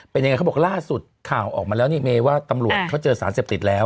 เป็นยังไงเขาบอกล่าสุดข่าวออกมาแล้วนี่เมว่าตำรวจเขาเจอสารเสพติดแล้ว